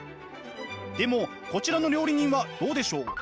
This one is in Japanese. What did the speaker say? でもこちらの料理人はどうでしょう？